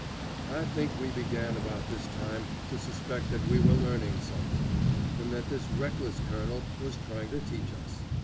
I think we began about this time to suspect that we were learning something, and that this reckless colonel was trying to teach us.